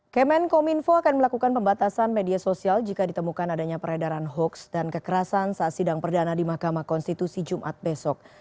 kemenkominfo akan melakukan pembatasan media sosial jika ditemukan adanya peredaran hoaks dan kekerasan saat sidang perdana di mahkamah konstitusi jumat besok